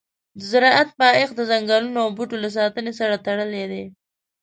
د زراعت پایښت د ځنګلونو او بوټو له ساتنې سره تړلی دی.